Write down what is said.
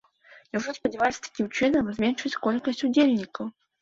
Няўжо спадзяваліся такім чынам зменшыць колькасць удзельнікаў?